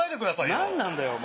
何なんだよお前。